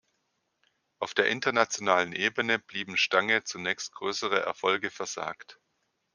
Auf der internationalen Ebene blieben Stange zunächst größere Erfolge versagt.